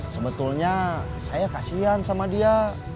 sebetulnya saya kasian sama dia